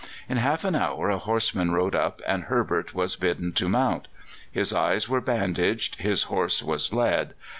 In half an hour a horseman rode up, and Herbert was bidden to mount. His eyes were bandaged, his horse was led.